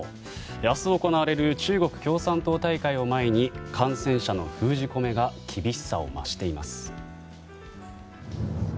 明日行われる中国共産党大会を前に感染者の封じ込めが厳しさを増しています。